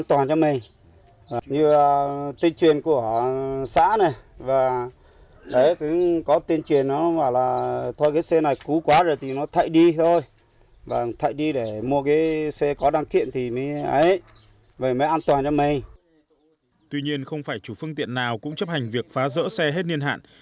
tuy nhiên không phải chủ phương tiện nào cũng chấp hành việc phá rỡ xe hết niên hạn